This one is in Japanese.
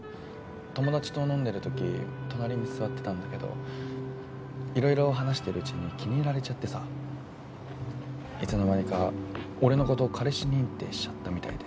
友達と飲んでる時隣に座ってたんだけどいろいろ話してるうちに気に入られちゃってさいつの間にか俺の事を彼氏認定しちゃったみたいで。